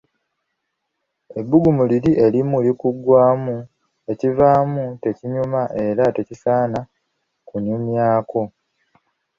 Ebbugumu liri erimu likuggwaamu ekivaamu tekinyuma era tekisaana kunyumyako.